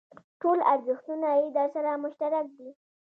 ټول ارزښتونه یې درسره مشترک دي.